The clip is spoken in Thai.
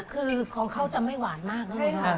คือของเขาจะไม่หวานมากนะ